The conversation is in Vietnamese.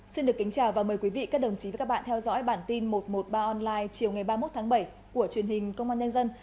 xin được kính chào và mời quý vị các đồng chí và các bạn theo dõi bản tin một trăm một mươi ba online chiều ngày ba mươi một tháng bảy của truyền hình công an nhân dân